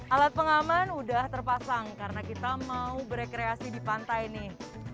alat pengaman udah terpasang karena kita mau berkreasi di pantai nih